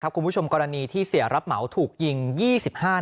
คุณผู้ชมกรณีที่เสียรับเหมาถูกยิง๒๕นัด